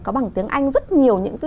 có bằng tiếng anh rất nhiều những cái